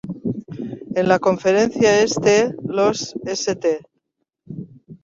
En la Conferencia Este, los St.